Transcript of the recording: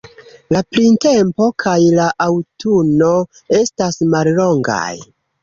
La printempo kaj la aŭtuno estas mallongaj.